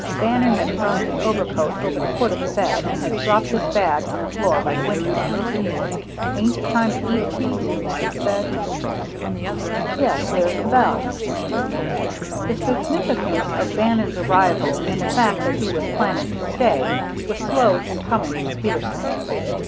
Bannon had thrown his overcoat over the foot of the bed, and had dropped his bag on the floor by the window. "Ain't it time to eat, Pete?" he said. "Yes, there's the bell." The significance of Bannon's arrival, and the fact that he was planning to stay, was slow in coming to Peterson.